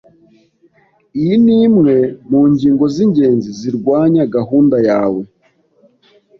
Iyi ni imwe mu ngingo zingenzi zirwanya gahunda yawe.